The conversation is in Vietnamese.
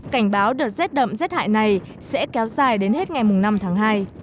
cảnh báo đợt rét đậm rét hại này sẽ kéo dài đến hết ngày năm tháng hai